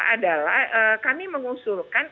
adalah kami mengusulkan